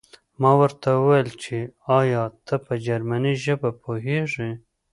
ما ورته وویل چې ایا ته په جرمني ژبه پوهېږې